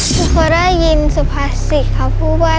ทุกคนได้ยินสุพลาสติกเขาพูดว่า